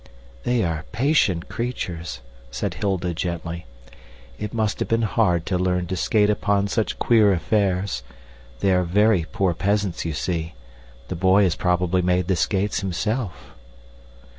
"They are patient creatures," said Hilda gently. "It must have been hard to learn to skate upon such queer affairs. They are very poor peasants, you see. The boy has probably made the skates himself."